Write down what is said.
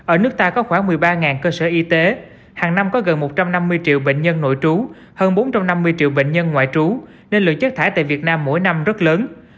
ở nước ta có khoảng một mươi ba cơ sở y tế hàng năm có gần một trăm năm mươi triệu bệnh nhân nội trú hơn bốn trăm năm mươi triệu bệnh nhân ngoại trú nên lượng chất thải tại việt nam mỗi năm rất lớn